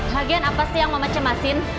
lagian apa sih yang mama cemasin